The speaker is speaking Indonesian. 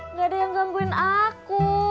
nggak ada yang gangguin aku